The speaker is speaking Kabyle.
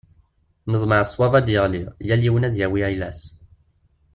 Neḍmeɛ ṣṣwab ad d-yeɣli, yal yiwen ad yawi ayla-s.